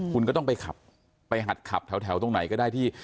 คุณก็ต้องไปขับไปหัดขับแถวตรงไหนก็ได้ที่